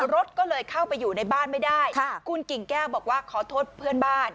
รถก็เลยเข้าไปอยู่ในบ้านไม่ได้คุณกิ่งแก้วบอกว่าขอโทษเพื่อนบ้าน